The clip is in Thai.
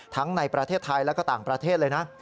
ในประเทศไทยและก็ต่างประเทศเลยนะ